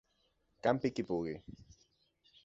Campi qui pugui.